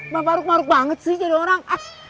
mbak faruk maruk banget sih jadi orang